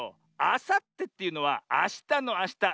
あさってっていうのはあしたのあした。